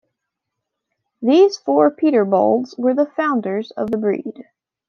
These four Peterbalds were the founders of the breed.